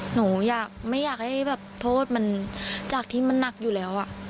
หนูไม่อยากให้โทษมันจากที่มันนักอยู่แล้วอ่ะ